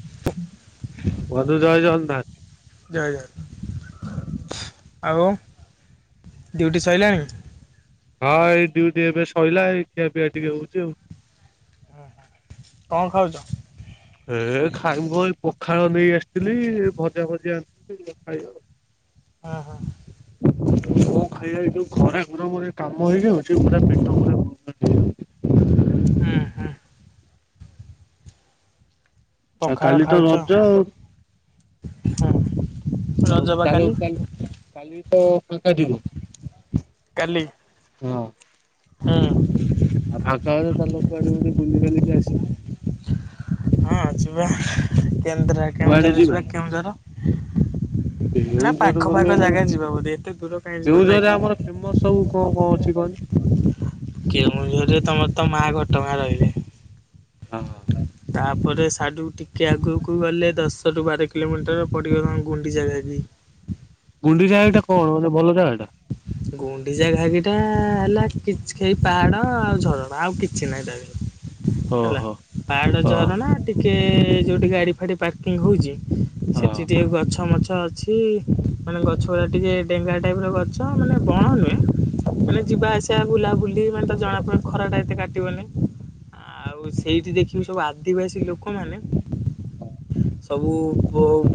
[unintelligible] ବଧୁ ଜୟ ଜଗନ୍ନାଥ। ଜୟ ଜଗନ୍ନାଥ। ଆଉ ଡ୍ୟୁଟି ସରିଲାଣି। ହଁ ଏଇ ଡ୍ୟୁଟି ଏବେ ସରଲା ଏଇ ଖିଆ ପିଆ ଟିକେ ହଉଛି ଆଉ। ହ କଣ ଖାଉଛ। ଏ ଖାଇ ଏ ପଖାଳ ନେଇ ଆସିଥିଲି ଭଜା ଭଜି ଆଣିଥିଲି ଖାଇବା। ହଁ ହଁ। କୋ ଖାଇବା ଯୋଉ ଖରା ଗରମରେ କାମ ହେଇଯାଉଛି ପୁରା ପେଟ ପ ହ। ହୁଁ ହୁଁ। ଆଉ ପଖାଳ କାଲି ତ ଖାଉଛ ରଜ ଆଉ। ହୁଁ ହଉ ରଜ ବା ଚାଲୁ କାଲି ଚାଲୁ ଚାଲି। ହ ଫାଙ୍କା ଦିବ। କାଲି। ହଁ। ହୁଁ। ଆ ତା କାଳରେ ତା ଲୋକ ଆଡେ ବଡେ ବୁଲି ବଲିିକି ଆସି। ହଁ ଯିବା କେନ୍ଦ୍ରା କେଉଁଝର ଯିବା କେଉଁଝର। [inaudible] ନା କେଉଁଝର ପାଖ ପାଖ ଗଲେ ଜାଗା ଯିବା ବୋଧେ ଏତେ ଦୂର କାହିଁ ଯିବା ନାଇଁ କି? କେଉଁଝରେ ଆମର ଫେମସ ସବୁ କଣ କଣ ଅଛି କହନି। କେଉଁଝରରେ ତମର ତ ମା ଘଟଗାଁ ରହିଲେ। ହଁ। ତାପରେ ସିଆଡୁକୁ ଟିକେ ଆଗକୁ ଗଲେ ଦଶରୁ ବାର କିଲୋମିଟର ପଡ଼ିବ କଣ ଗୁଣ୍ଡି ଜାଗା ବି। ଗୁଣ୍ଡିଚଘାଇ ଏଟା କଣ ମାନେ ଭଲ ଜାଗାଟା। ଗୁଣ୍ଡିଚା ଘାକଟା ହେଲା କି ଖଇ ପାହାଡ ଆଉ ଝରଣା ଆଉ କିଛି ନାହିଁ ତା। ହେଲା ଓହୋ ପାହାଡ ହଁ ଝରଣା ଟିକେ। ଟିକେ ଯେଉଁଠି ଗାଡ଼ି ଫାଡ଼ି ପାର୍କିଂ ହଉଛି ହଁ। ସେଠି ଟିକେ ଗଛ ମଛ ଛ ଅଛି ମାନେ ଗଛ ଗୁଡା ଟିକେ ଡେଙ୍ଗା ଟାଇପ ର ମାନେ ବଣ ନୁହେଁ ମାନେ ଯିବା ଆସିବା ବୁଲାବୁଲି ମାନେ ତ ଜଣା ପଡେ ଖରା ଟା ଏତେ କାଟିବନି, ଆଉ ସେଇଠି ଦେଖିବୁ ସବୁ ଆଦିବାସୀ ଲୋକମାନେ ସବୁ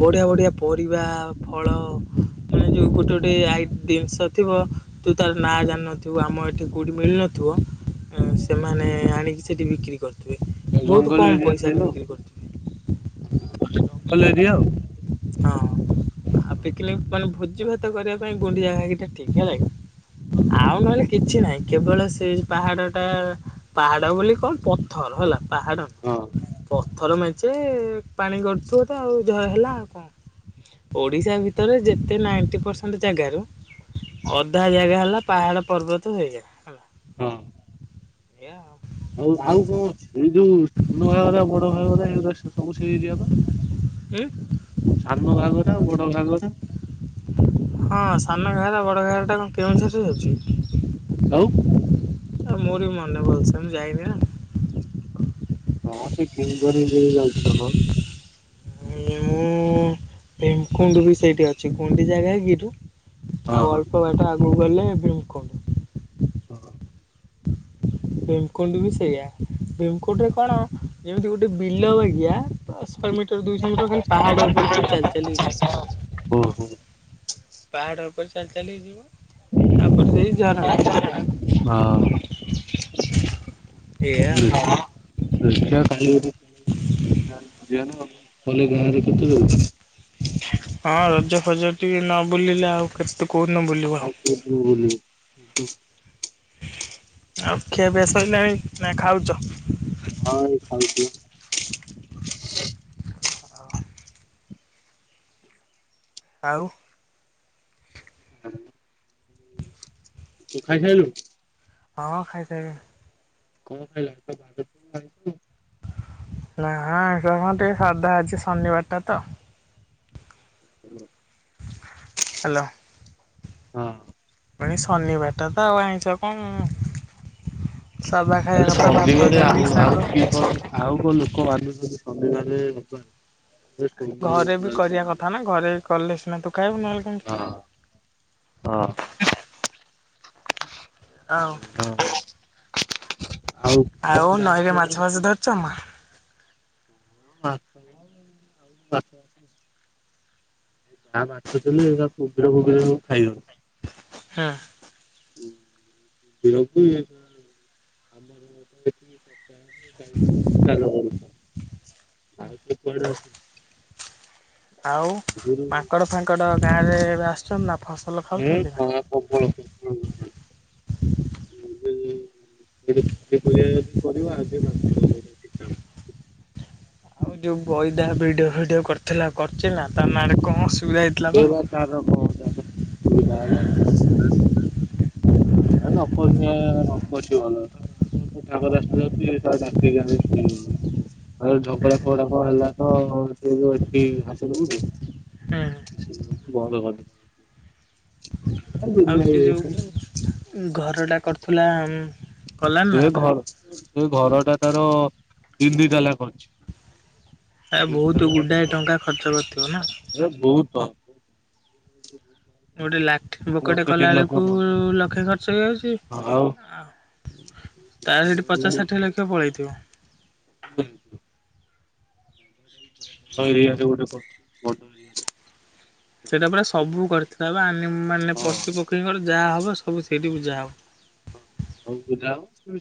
ବଢିଆ ବଢିଆ ପରି ପରିବା ଫଳ ମାନେ ଯୋଉ ଗୋଟେ ଗୋଟେ ଆଇ ଜିନିଷ ଥିବ ତୁ ତାର ନାଁ ଜାଣିନଥିବୁ ଆମ ଏଠି କୋଉଠି ମିଳିନଥିବ ସେମାନେ ଆଣିକି ସେଇଠି ବିକ୍ରି କରି ଜଙ୍ଗଲ ଏରିଆ ଖାଇଲୁ କରିଥିବେ ହଁ। ଜଙ୍ଗଲ ଏରିଆ ଆଉ । ହଁ ଆଉ ପିକନିକ ମାନେ ଭୋଜି ଭାତ କରିବା ପାଇଁ ଗୁଣ୍ଡିଚା ଘାଇ ଟା ଠିକ ହେଲା କି ଆଉ ନହେଲେ କିଛି ନାହିଁ କେବଳ ସେ ପାହାଡ ଟା ପାହାଡ ବୋଲି କଣ ପଥର ହେଲା ପାହାଡ଼ ହଁ ପଥ ଥର ମେଞ୍ଚେ ପାଣି ଗଡ଼ୁଥିବ ତ ଆଉ ଜ ହେଲା ଆଉ କଣ । ଓଡିଶା ଭିତରେ ଯେତେ ନାଇଣ୍ଟି ପରସେଣ୍ଟ ଜାଗାରୁ ଅଧା ଜାଗା ହେଲା ପାହାଡ ପର୍ବତ ହେଇଯାଏ ହେଲା। ହଁ। ଏୟା ଆଉ। ହଉ ଆଉ କଣ ଏଇ ଯୋଉ ସାନ ଘାଗରା ବଡ ଘାଗରା ଏଗୁରା ସବୁ ତମର ଏଇ ଏରିଆ ବା ଉଁ ସାନ ଘାଗରା ଆଉ ବଡ ଘାଗରା। ହଁ ସାନ ଘାଗରା ବଡ ଘାଗରା ଟା କଣ କେଉଁଝରରେ ଯାଉଛି? ଆଉ ମୋର ବି ମନେ ଭଲସେ ମୁଁ ଯାଇନି ନା । ହଁ ସେ ଫାର ଦେଇ ଯାଉଛି ନା । ମୁଁ ଭୀମକୁଣ୍ଡ ବି ସେଇଠି ଅଛି ଗୁଣ୍ଡିଚା ଘାଗିରୁ ହଁ ଆଉ ଅଳ୍ପ ବାଟ ଆଗକୁ ବୋଇଲେ ଭୀମକୁଣ୍ଡ। ହଁ। [inaudible] ଭୀମକୁଣ୍ଡ ବି ସେଇଆ ଭୀମକୁଣ୍ଡ ରେ କଣ ଯେମିତି ଗୋଟେ ବିଲ ବାଗିଆ ପାଶହ ମିଟର ଦୁଇଶହ ମିଟର ଖାଲି ପାହାଡ ଉପରେ ତୁ ଚାଲି ଚାଲିକି ଓହୋ ଯିବୁ। ପାହାଡ଼ ଉପରେ ଚାଲି ଚାଲିକି ଯିବୁ ତାପରେ ଯାଇ ଝରଣା ଆ ହଁ। [inaudible] ଦେଖିଆ କାଲି ଯଦି ଯାହା କରିଆ ନା ଆଉ ନହେଲେ ଗାଁରେ କେତେ ଯାଉଛି ହଁ ରଜ ଫଜ ଟି ନ ବୁଲିଲେ ଆଉ କେତେ? କୋଉଦିନ ବୁଲିବ ଆଉ କୋଉଦିନ ବୁଲିବୁ ଉଁ। ଆଉ ଖିଆ ପିଆ ସରିଲାହେଲାାଣି ନା ଖାଉଛି [inaudible] ହଁଇ ଖାଉଛି । ଆଉ। [inaudible] ତୁ ଖାଇ ସାରିଲୁ। ହଁ ଖାଇସାରିଲେଣି। କଣ ଭାଇ ଲାଗ ବା ଆଛ [inaudible] ନା ସେ ଟିକେ ସଧା ଅଛି ଶନିବାରଟା ତ। ହ୍ୟାଲୋ ହଁ। ଜି ଶନିବାରଟା ତ ଆଉ ଆଇଛ କଣ ସାଧା ଖାଇବା ତାହେଲେ କଥା ସବ ଭାତ ଗ ଆ ଡାଲି ଶାଗ। ଆଉ କିଏ କଣ ଆଉ କଣ ଲୋକ ବାଧୁଛନ୍ତି। ସମେ କହଲେ ରବ ଘରେ ବି କରିବା କଥା ନା ଘରେ ବି କଲେ ସିନା ତୁ ଖାଇବୁ ନହେଲେ କେମିତି ହଁ ହଁ ଆବ। ଆଉ କଣ ଆଉ ଗାଁ ନଈରେ ଖବର? ମାଛ ଫାଛ ଧରିଛ ମା ଆ ଯାହା ମାଛ ଥିଲୁୁବ ଫୁବ ସବୁ ଖାଇବ ହଁ। ବ ଆମର ଚା [inaudible] ଆଉ ତ ପଡଛ [inaudible] ଆଉ ମାଙ୍କଡ ଫାଙ୍କଡ ଗାଁରେ ଏବେ ଆସଚ ନା ଫାଷ୍ଟ ହୁଁ କଳ ଯ ପ ପରିବା ଯଦି କରିବ ଆଉ ବା କାମ [unintelligible] ଆଉ ଯୋଉ ବ ଭିଡ଼ିଓ ଫିଡ଼ିଓ କରିଥିଲା କରିଚ ନା ତା ନାରେ କଣ ଅସୁବିଧା ହେଇଥିଲା ଏ ବା ତାର ବହୁ ତା ସୁବିଧା ହେଲା ନ ନଛି ଭଲଙ୍କ ରା ଯାଉଛି ଡାକି ଖାଉନ ଆଉ ଝଗଡା ଫଗଡା କ ହେଲା ତ ସେ ଯୋଉ ଏଠି ହାସଉଛି ହୁଁ ଭଲ। ଆଉ ସେ ଯେଉଁ ଘରଟା କରୁଥିଲା ଆମ ସେ ଘର ସେ ଘର ଟା ତାର ତିନ ଦୁଇ ତାଲା କରଛି। ଆ ବହୁତ ଗୁଡ଼ାଏ ଟଙ୍କା ଖର୍ଚ୍ଚ କରିଥିବ ନା ହ ହଁ ନୋ ଲା ବୋକଟେ କଲା ବେଳକୁ ପଡୁଛି ଲକ୍ଷେ ଘ ସେଇଯଛି ଆଉ ଆଉ ତାର ସେଠି ପଚାଶ ଷାଠିଏ ଲକ୍ଷ ପଳେଇଛି। ପକେଇବ। ହୁଁ। ମଟର ଗାଡି [unintelligible] ସେଇଟା ପା ସବୁ କରିଥାଏ। ତବା। ମାନେ ପଶୁ ପକ୍ଷୀଙ୍କର ଯାହା ହବ ସବୁ ସେଇଠି ବୁଝା ହବ। ହଉ ବୁଝା ହୋଉ।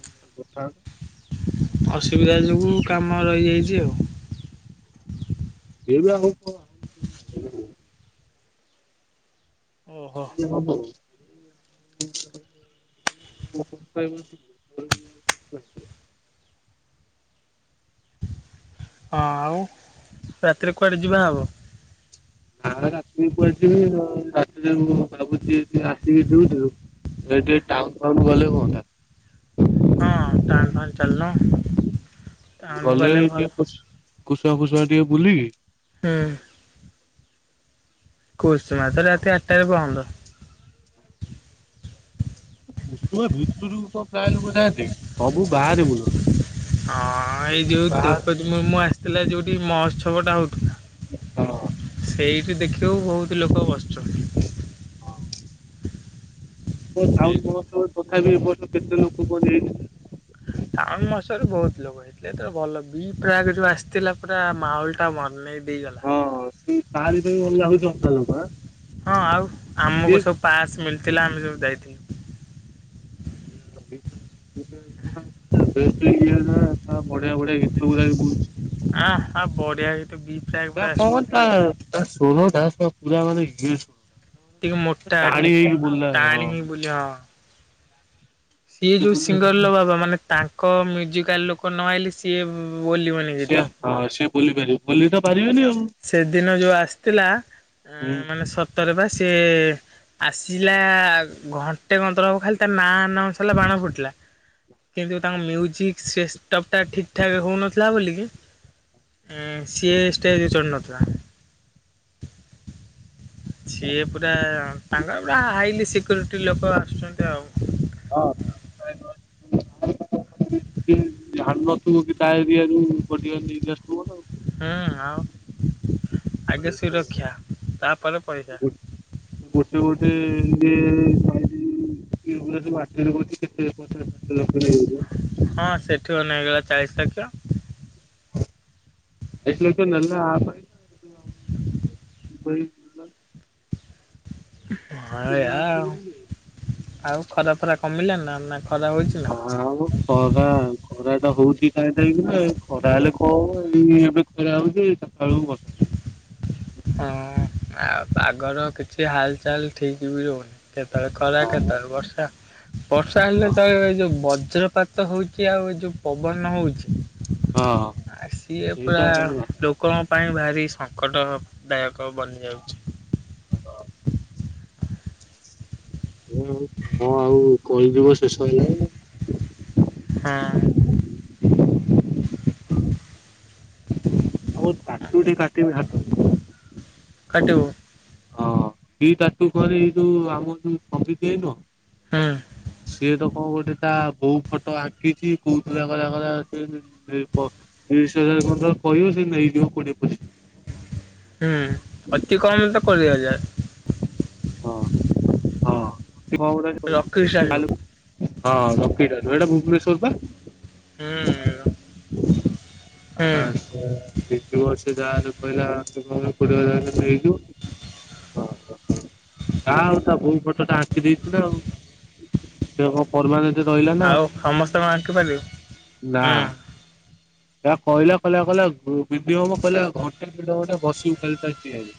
[unintelligible] ଅସୁବିଧା ଯୋଗୁଁ କାମ ରହିଯାଇଛି ଆଉ। ଏବେ ଆ କ [unintelligible] ଓହୋ ହଁ ଏବେ ହବ। [unintelligible] ହଁ ଆଉ ରାତିରେ କୁଆଡେ ଯିବା ହବ। ରାତିରେ କୁଆଡେ ଯିବି ରାତିରେ ମୁଁ ଭାବୁଛି ଆସିକି ଡିଉଟିରୁ ଏ ଟିକେ ଟାଉନ୍ ଫାଉନ୍ ଗଲେ ହୁଅଁନ୍ତା। ହଁ ଟାଉନ୍ ଫାଉନ୍ ଚାଲୁନ ଟାଉନୁ ଗଲେ ଭଲ। କୁସା ଫୁସା ଟିକେ ବୁଲିକି ହୁଁ। କୁସୁମା ତ ରାତି ଆଠଟାରେ ବନ୍ଦ। ଉଷୁଆ ଭିତରୁକୁ କଣ ପ୍ରାୟ ଲୋକ ଯାଆଁନ୍ତି। ସବୁ ବାହାରେ ବୁଲ ହଁ ଏଇ ଯୋଉ ଦ୍ରୋପତି ମୁର୍ମୁ ଆସ ହେଲେ ଯୋଉଠି ମହୋତ୍ସବ ଟା ହଉଥିଲା। ହଁ। ଏଇଠି ଦେଖିବାକୁ ବହୁତ ଲୋକ ବସୁ ଏ ଟାଉନ ସେଇଠି। ମହୋତ୍ସବ ତଥାପି ଏ ବର୍ଷ କେତେ ଲୋକ କୁହନି ହେଇଥିଲେ। ଟାଉନ୍ ମହୋତ୍ସବରେ ବହୁତ ଲୋକ ହେଇଥିଲେ। ହେତେବେଳେ ଭଲ ବିଲ ପ୍ରାଏ ଯୋଉ ଆସିଥିଲା ପୁରା ମାହୋଲ ଟା ମନେଇ ହଁ ସେ ବାହାରିକି ଲାଗୁଛି। [unintelligible] ବା। ହଁ ଆଉ ଆମକୁ ସବୁ ପାସ୍ ମିଲ୍ ଥିଲା ଆମେ ସବୁ ଯାଇଥିଲୁ। [unintelligible] ବଢିଆ ବଢିଆ ଗୀତ ଗୁଡାକ ବି ବହୁଛି। ନା ହଁ ବଢିଆ ଗୀ [unintelligible] ଶୁଣୁ ତା ସାହ ପୁରାଣରେ ଗିଡ୍ସ। ଟିକେ ମୋଟା ଟିକେ ଶୁଣୁନ ହଁ ଟାଣି ହେଇ ବୁଲ ହଁ। ସିଏ ଯୋଉ ସିଙ୍ଗର ଲୋ ବାବା। ମାନେ ତାଙ୍କ ମ୍ୟୁଜିକାଲ୍ ଲୋକ ନ ଆଇଲେ ସିଏ ଉଁ, ସିଏ ହଁ ସିଏ ବୋଲି ପାରିବ। ବୋଲି ତ ପାରିବେନି ଆଉ। ହୁଁ। ସେଦିନ ଯୋଉ ଆସିଥିଲା ଅଁ, ମାନେ ସତରେ ବା ସି ସେ ଆସିଲା ଘଣ୍ଟେ କନ୍ତୁରୁ ଖାଲି ତା ନାଁ ନାଁ ସରଲା ବାଣ ଫୁଟିଲା କିନ୍ତୁ ତାଙ୍କ ମ୍ୟୁଜିକ୍ ସିଷ୍ଟମ୍ ଟା ଠିକ ଠାକ ହଉନଥିଲା ବୋଲିକି ଏଁ, ସିଏ ଷ୍ଟେଜ୍ [unintelligible] ନଥିଲା। ସିଏ ପୁରା ତାଙ୍କର ପୁରା ହାଇଲି ସିକ୍ୟୁରିଟି ଲୋକ ଆସୁଛନ୍ତି। ସିଏ ଆଉ [inaudible] ଯାହା ନଥିବୁ କି ତା ଏରିଆରୁ ପଟିଆ ନେଇକି ଆସିଥିବ ନା ହଁ, ଆଉ ଆଗେ ଗୋଟେ ସୁରକ୍ଷା ଗୋଟେ ତାପରେ ପଇସା ଇଏ ଯାଇଥିଲି କିଏ କହୁଚନ୍ତି ମୁଁ [unintelligible] କରୁଛି। କେତେ ହଁ ପଚାଶ ଷାଠିଏ ଲକ୍ଷ ସେଠି ନେଇଯିବ ପରା ନେଇ ହେଗଲା ଚାଳିଶ ଲକ୍ଷ। [unintelligible] ନେଲା ଆ ସହିତ [unintelligible] ହଁ ଏଇଆ ଅଛି ଆଉ ବୋଲି ନେଲା। ଆଉ ଖରାପ ଖରା କମିଲା ନା ନା କ ହଁ, ହଁ, ମୋ ଖରା ଖରା ଟା ହଉଛି ଟାଏଁ ଟାଇଁ କି ନା। ଖରା ହେଲେ କଣ ହବ, ଏଇ ଏବେ ଖରା ହଉଚି ଏଇ ଚାଟା ବେଳକୁ ବର୍ଷା ହେଇ [inaudible] ହଁ ଆଉ ପାଗର କିଛି ହାଲଚାଲ ଠିକ ବି ରହୁନି। କେତେବେଳେ ଖରା କେତେବେଳେ ବର୍ଷା, ବର୍ଷା ହେଲେ ତୋ ଏଇ ଯୋଉ ବ ବଜ୍ରପାତ ହଉଚି ଆଉ ଏ ଯୋଉ ପବନ ହଉଛି ହଁ ଆ ସିଏ ପୁରା ସେଇଟା କଣ ଲୋକଙ୍କ ପାଇଁ ଭାରି ସଙ୍କଟର ଦାୟ ଙ୍କ ବନିଯାଉଛି। କୁହ ସେମିତି କଣ ଆଉ କହିଯିବ ତୁ ଶୋଇଲୁଣି ନା? ହଁ। [unintelligible] ବୋହୁତ କାକୁଡି କାଟିବି ହା କାଟିବ ହଁ ଦି ତାଠୁ କରେ ଏଇ ଯୋଉ ଆମ ଯୋଉ ସଙ୍ଗିତି ଭାଇ ନୁହଁ। ହୁଁ ହଁ ଗୋଟେ ତା ବୋଉ ଫଟୋ ଆଙ୍କିଛି କୋଉଥିଲା କହିଲା କହିଲା ସେ ତିରିଶ ହଜାର କହିବ ସେ ନେଇଯିବ କୋଡିଏ ପଚିଶି ହୁଁ ଅତି କମ ତ କୋଡିଏ ହଜାର। ହଁ ହଁ ହଁ ରଖିକି ଛାଡ଼ିବୁ ହୁଁ। ଏଟା ଭୁବନେଶ୍ଵର ବା ହୁଁ ଆଛା ଯାହା କହିଲ [unintelligible] ଓ ଯା ଆଉ ତା ବୋଉ ଫଟୋ ଟା ଆଙ୍କି ଦେଇଛି ନା ଆଉ ସେ କଣ ପରମାନେଟ। ଆଉ ସମସ୍ତେଙ୍କଣ ଆଙ୍କି ପାରିବେ ହୁଁ। ଯା କହିଲା କହିଲା କହିଲା ବିଡିଓଙ୍କୁ ଘଣ୍ଟେ ଦେଡଘଣ୍ଟେ ବସିବ।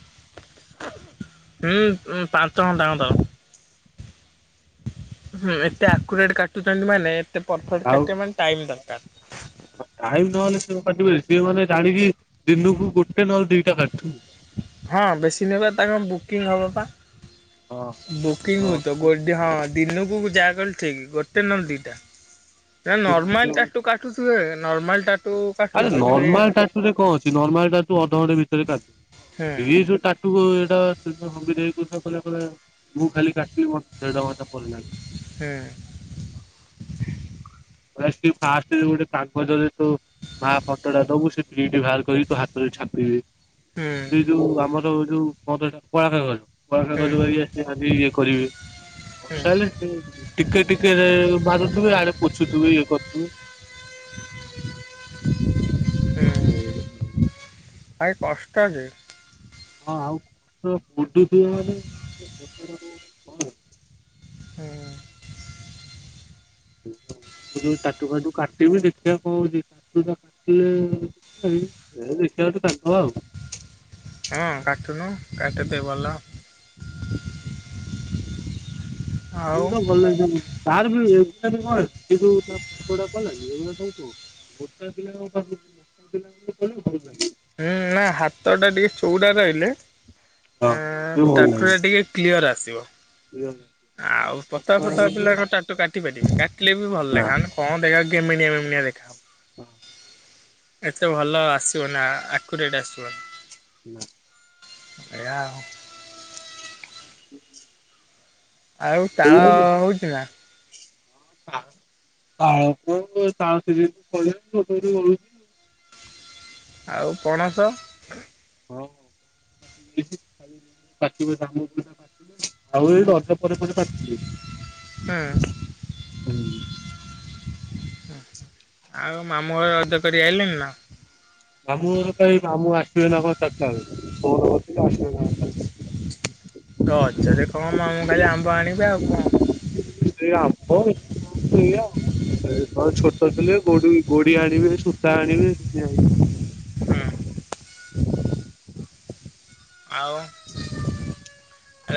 ହୁଁ ପାଞ୍ଚ ଘନ୍ତା ଟାଙ୍କ ତର। ହୁଁ ଏତେ ଆକୁରେଟ କାଟୁଛନ୍ତି ମାନେ ଏତେ ପରଫେକ୍ଟ ଆଉ କାଟିବା ମେ ଟାଇମ୍ ଦ ସେଏ ମାନେ ଜାଣିକି ଦିନକୁ ଗୋଟେ ନହଲେ ଦିଟା କାଟୁିବ। ହଁ ବେଶୀ ଦିନବେ ତାଙ୍କ ବୁକିଂ ହବ ପା ହଁ। ବୁକିଂ ହ ଗୋ ହ। ଦିନକୁ ଯାହା କଲେ ଠିକ ଗୋଟେ ନହେଲେ ଦୀଟା। ନା ନର୍ମାଲ ଟାଟୁ କାଟୁଥିବେ ନର୍ମାଲ ଟା। ଆରେ ନର୍ମାଲ ଟାଟୁ ରେ କଣ ଅଛି ନର୍ମାଲ ଟାଟୁ ଅଧଘଣ୍ଟା ଭିତରେ ହୁଁ କାନ୍ଦ ଯୋଉ ଟାଟୁ। କ ମୁଁ ଖାଲି କା। ଦେଢ଼ ଘଣ୍ଟା ପଳେଇଲାଣି। ହୁଁ ଫାଷ୍ଟ ଗୋଟେ କାଗଜରେ ତୁ ମା ଫଟ ଟା ଦବୁ ସେ ପ୍ରିଣ୍ଟ ବାହାର କରିକି ତୋ ହାତରେ ଛାପିବେ। ହୁଁ ଏଇ ଯୋଉ ଆମର ଯୋଉ। କତ ପା କରଛୁ। ବଳ ହୁଁ କାଗଜ ବି ଆସି ଖା ବି। କରିବେ? ବର୍ଷା ହେଲେ ଟିକେ ଟିକେ ବାଧୁଥିବେ ଆଡେ [unintelligible] ଆ କଷ୍ଟ ଯେ ହଁ ଆଉ ବୁ [unintelligible] ହୁଁ [inaudible] ଯୋଉ ଚାଟୁ ଫାଟୁ କାଟିବି ଦେଖିବା କଣ ହେଉଛି କାଟିଲେ ଦେଖିବା କାଙ୍କ ଆଉ। ହୁଁ କାଟୁନୁ କାଟି ଦେ ଭଲ। ଆଉ ତ ଭଲଇ ତାର ବି ଏ କଣ ସେୁଟା କଲାନି ଏ [unintelligible] ହୁ ଗୋଟା ପିଲାଙ୍କ ପାଖକୁ ଗୋଟା ପିଲାଙ୍କୁ କଲୁ ହୁଁ ନା ହାତ ଟା ଟିକେ ଚଉଡା ରହିଲେ ହଁ ଏ ତାଙ୍କୁ ର ଟିକେ କ୍ଲିୟର ଆ ଆସିବ ଆଉ ପତା ଫତା ପିଲା ଟାଟୁ କାଟି ପାରିବେ କାଟିଲେ ବି ଭଲ ଲାଗେ ହ ନା କଣ ଦେଖା କେମିନିଆ ହଁ [inaudible] ଏତେ ଭଲ ଆସିବ ନା ଆ ଆକୂରେଟ୍ ଆସିବ ହଁ [inaudible] ଏଆ ଆଉ ଆ [inaudible] ଆଉ ତାଳ ଅ ହଉଛି ନା ତାଳ ତାଳୋଟୁଛି ଆ [unintelligible] ଆଉ ପଣସ ହଁିବ ଆଉ ଏଇଠ ରା ପରେ [unintelligible] ହୁଁ ଆଉ ମାମୁଁ ହରେ ରଜ କରି ଆଇିଲେଣିି ନା ମାମୁଁ ତ ହେଇ ମାମୁଁ ଆସିବେ ନା କଣ ଚାରିଟା ବେଳେ ଫୋନ୍ କରିଥିଲେ ଆସିବା ପାଇଁ। ରଜ ରେ କ ମାମୁଁ କହିଲେ ଆମ୍ବ ଆଣିବ ବଓ କ [unintelligible] ଓ ଏଇଆ ଛୋଟ ଥିଲେ କୋଉଠି ଵି ଗୋଡି ଆଣିବେ ସୂତା ଆଣିବେ ଦେ୍ ହୁଁ ଆଉ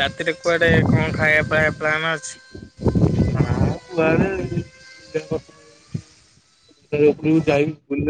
ରାତିରେ କୁଆଡେ କଣ ଖାଇବା ଫାଇବା ପ୍ଲାନ ଅଛି ହଁ କୁଆଡ଼େ ଯାଇ ବଲେ [unintelligible]